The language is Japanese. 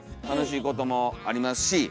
楽しいこともありますし。